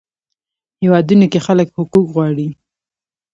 هیوادونو کې خلک حقوق غواړي.